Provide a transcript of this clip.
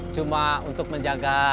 cuma untuk menjaga